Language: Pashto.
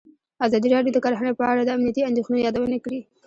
ازادي راډیو د کرهنه په اړه د امنیتي اندېښنو یادونه کړې.